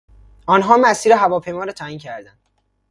آنها مسیر هواپیما را تعیین کردند.